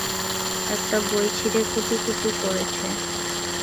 একটা বই ছিঁড়ে কুটিকুটি করেছে।